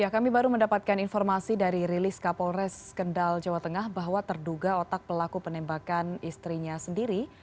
kami baru mendapatkan informasi dari rilis kapolres kendal jawa tengah bahwa terduga otak pelaku penembakan istrinya sendiri